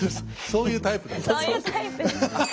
そういうタイプ。